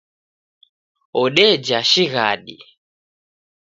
Odeja shighadi.